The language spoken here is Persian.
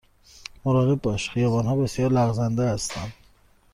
مراقب باش، خیابان ها بسیار لغزنده هستند.